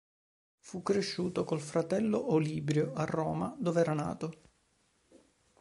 Fu cresciuto col fratello Olibrio a Roma, dove era nato.